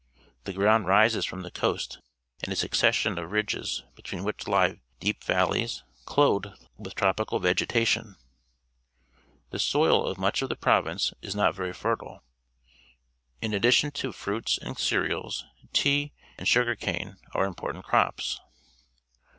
The ground rises from t he co ast in a su^cessioir of _jidges». between wliich lie deep valleys, clothed with tr opical vegeta tiaa. TEe~soil of much of the province is not very fertile. In addition to fruits and cer eals, t ea, and sugar cane are important crops.